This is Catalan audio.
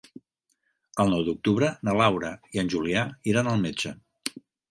El nou d'octubre na Laura i en Julià iran al metge.